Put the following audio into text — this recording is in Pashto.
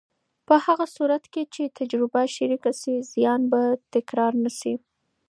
په هغه صورت کې چې تجربه شریکه شي، زیان به تکرار نه شي.